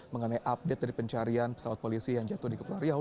mengenai update dari pencarian pesawat polisi yang jatuh di kepulau riau